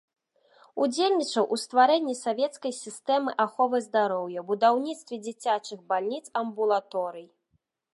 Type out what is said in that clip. Удзельнічаў у стварэнні савецкай сістэмы аховы здароўя, будаўніцтве дзіцячых бальніц, амбулаторый.